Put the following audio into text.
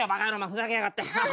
ふざけやがって。